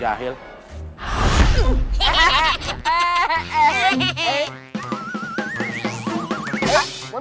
diambil tuh tekun